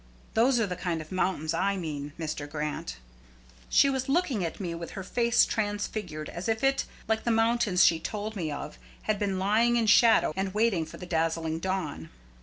Those are the kind of mountains I mean, Mr. Grant." She was looking at me with her face transfigured, as if it, like the mountains she told me of, had been lying in shadow, and waiting for the dazzling dawn.